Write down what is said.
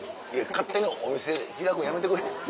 勝手にお店開くのやめてくれ。